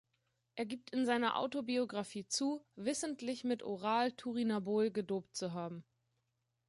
Er gibt in seiner Autobiografie zu, wissentlich mit Oral-Turinabol gedopt zu haben.